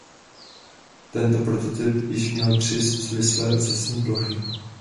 Tento prototyp již měl tři svislé ocasní plochy.